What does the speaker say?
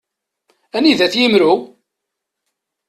Anida-t yimru?